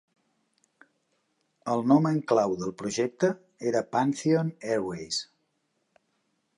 El nom en clau del projecte era Pantheon Airways.